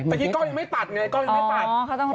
เมื่อกี้กล้องยังไม่ตัดไงกล้องยังไม่ตัด